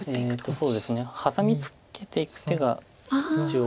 そうですねハサミツケていく手が一応。